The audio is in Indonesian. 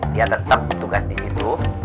dia tetep tugas disitu